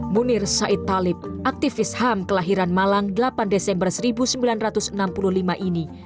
munir said talib aktivis ham kelahiran malang delapan desember seribu sembilan ratus enam puluh lima ini